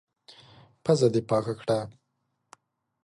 پزه دي پاکه کړه!